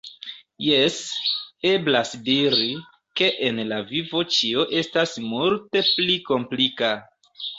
Jes, eblas diri, ke en la vivo ĉio estas multe pli komplika.